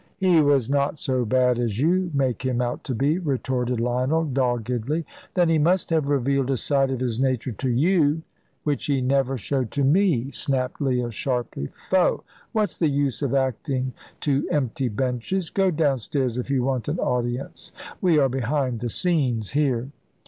"He was not so bad as you make him out to be," retorted Lionel, doggedly. "Then he must have revealed a side of his nature to you which he never showed to me," snapped Leah, sharply. "Foh! what's the use of acting to empty benches? Go downstairs if you want an audience. We are behind the scenes here."